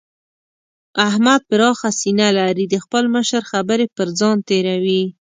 احمد پراخه سينه لري؛ د خپل مشر خبرې پر ځان تېروي.